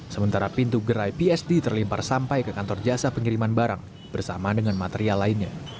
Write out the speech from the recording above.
sementara pintu gerai psd terlimpar sampai ke kantor jasa pengiriman barang bersama dengan material lainnya